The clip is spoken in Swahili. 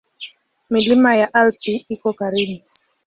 Milima ya Alpi iko karibu.